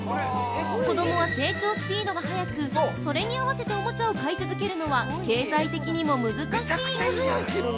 子供は成長スピードが早くそれに合わせて、おもちゃを買い続けるのは経済的にも難しい。